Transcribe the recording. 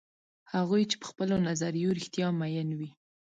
هغوی چې په خپلو نظریو رښتیا میین وي.